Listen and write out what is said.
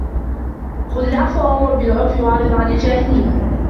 خُذْ الْعَفْوَ وَأْمُرْ بِالْعُرْفِ وَأَعْرِضْ عَنْ الْجَاهِلِينَ